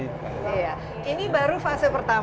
iya ini baru fase pertama